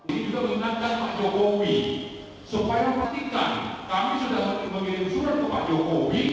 ini juga mengenakan pak jokowi supaya memperhatikan kami sudah memilih surat untuk pak jokowi